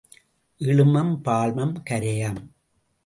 இழுமம், பால்மம், கரையம்.